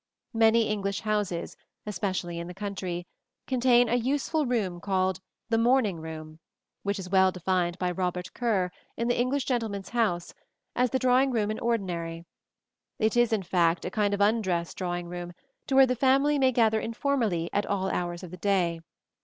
Many English houses, especially in the country, contain a useful room called the "morning room," which is well defined by Robert Kerr, in The English Gentleman's House, as "the drawing room in ordinary." It is, in fact, a kind of undress drawing room, where the family may gather informally at all hours of the day.